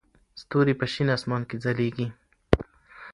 ستوري په شین اسمان کې ځلېږي.